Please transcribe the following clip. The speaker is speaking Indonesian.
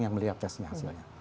yang melihat testnya hasilnya